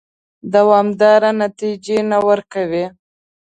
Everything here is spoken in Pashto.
دوامدارې نتیجې نه ورکوي.